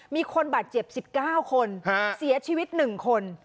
มีคนบาดเจ็บสิบเก้าคนฮะเสียชีวิตหนึ่งคน